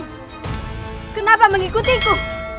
seperti ada yang mengikutiku